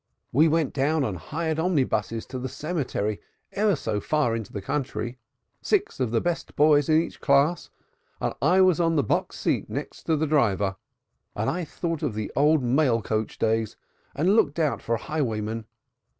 "We went down on hired omnibuses to the cemetery ever so far into the country, six of the best boys in each class, and I was on the box seat next to the driver, and I thought of the old mail coach days and looked out for highwaymen.